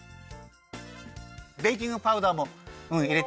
ベーキングパウダーもうんいれてね。